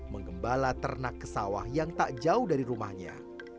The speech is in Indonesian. mengembala ternak ke sawah yang tak jauh dari rumahnya